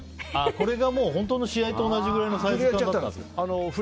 これが本当の試合と同じくらいのサイズ感だったと。